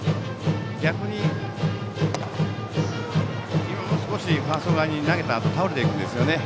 逆に、もう少しファースト側に投げたあと倒れていくんですね。